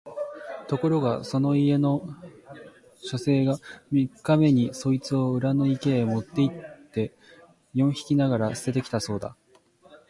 ところがそこの家の書生が三日目にそいつを裏の池へ持って行って四匹ながら棄てて来たそうだ